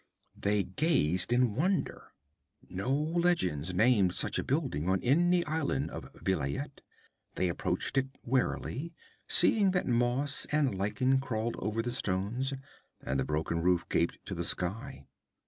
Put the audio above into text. They gazed in wonder. No legends named such a building on any island of Vilayet. They approached it warily, seeing that moss and lichen crawled over the stones, and the broken roof gaped to the sky.